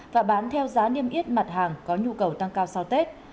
và bán theo giá niêm yết mặt hàng có nhu cầu tăng cao sau tết